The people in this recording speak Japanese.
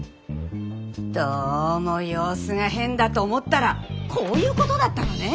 どうも様子が変だと思ったらこういうことだったのね。